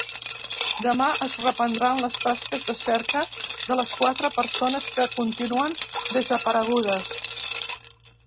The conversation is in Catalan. Demà es reprendran les tasques de cerca de les quatre persones que continuen desaparegudes.